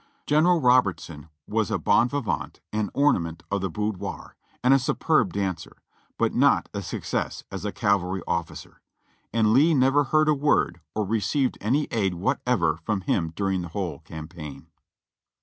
General Robertson was a bon vivant and ornament of the boudoir, and a superb dancer ; but not a success as a cavalry officer ; and Lee never heard a word or received any aid what ever from him during the whole campaign.